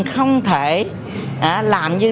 không thể làm như